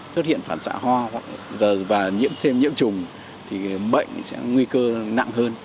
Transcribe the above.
thất hiện phản xạ hoa và nhiễm thêm nhiễm trùng thì bệnh sẽ nguy cơ nặng hơn